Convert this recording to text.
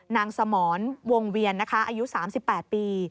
สมรวงเวียนนะคะอายุ๓๘ปี